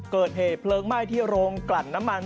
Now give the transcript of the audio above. เกิดเหตุเพลิงไหม้ที่โรงกลั่นน้ำมัน